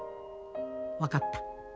『分かった』。